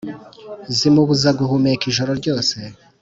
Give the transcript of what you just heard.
Zimubuza guhumeka ijoro ryose